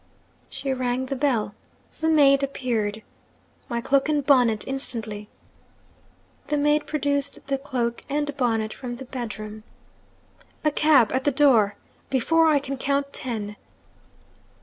She rang the bell. The maid appeared. 'My cloak and bonnet instantly!' The maid produced the cloak and bonnet from the bedroom. 'A cab at the door before I can count ten!'